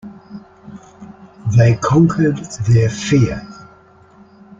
They conquered their fear.